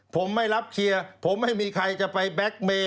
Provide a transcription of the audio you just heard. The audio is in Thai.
ผมไม่รับเคลียร์ผมไม่มีใครจะไปแบ็คเมย์